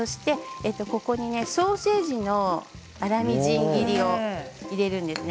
ここにソーセージの粗みじん切りを入れるんですね。